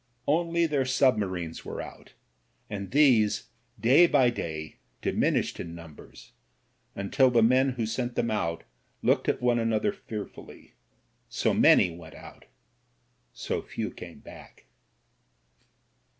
Only their submarines were out, and these, day by day, diminished in numbers, until the men who sent them out looked at one another fearfully — so many went out, so few came back.